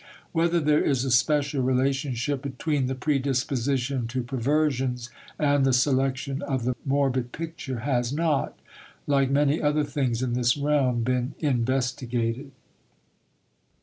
Whether there is a special relationship between the predisposition to perversions and the selection of the morbid picture has not, like many other things in this realm, been investigated.